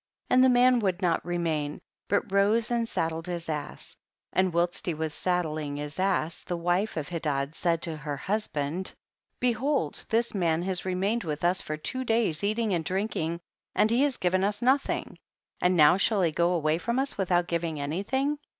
27. And the man would not re main, but rose and saddled his ass, and whilst he was saddling his ass the wife of Hedad said to her hus band, behold this man has remained with us for two days eating and drinking and he has given us nothing, and now shall he go away from us without giving any thing